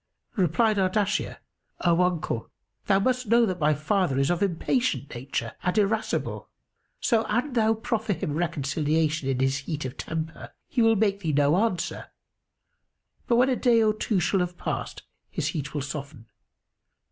Replied Ardashir, "O uncle, thou must know that my father is of impatient nature, and irascible; so an thou proffer him reconciliation in his heat of temper he will make thee no answer; but when a day or two shall have passed, his heat will soften.